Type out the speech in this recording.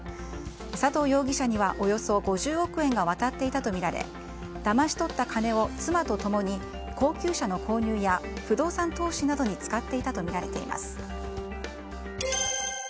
佐藤容疑者にはおよそ５０億円が渡っていたとみられだまし取った金を、妻と共に高級車の購入や不動産投資などに使っていたとみられています。